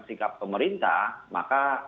sikap pemerintah maka